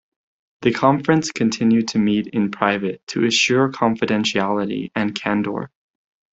The Conference continued to meet in private to assure confidentiality and candor.